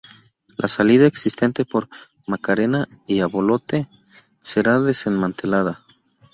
La salida existente por Maracena y Albolote será desmantelada.